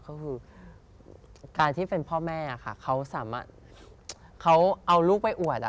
ก็คือการที่เป็นพ่อแม่เขาเอาลูกไปอวด